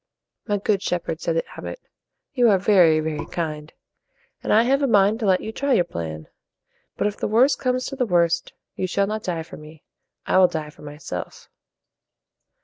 "My good shepherd," said the abbot, "you are very, very kind; and I have a mind to let you try your plan. But if the worst comes to the worst, you shall not die for me. I will die for myself."